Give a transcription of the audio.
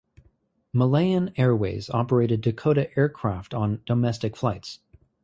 Malayan Airways operated Dakota aircraft on domestic flights.